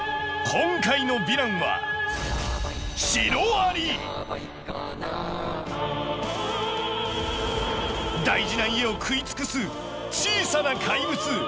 今回のヴィランは大事な家を食い尽くす小さな怪物。